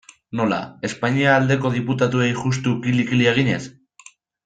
Nola, Espainia aldeko diputatuei juxtu kili-kili eginez?